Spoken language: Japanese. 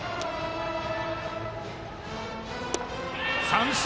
三振！